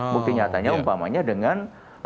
bukti nyatanya umpamanya dengan